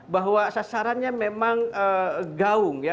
bahwa sasarannya memang gaung ya